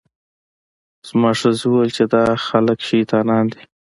زما ښځې وویل چې دا خلک شیطانان دي.